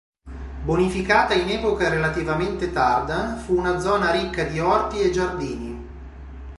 Bonificata in epoca relativamente tarda, fu una zona ricca di orti e giardini.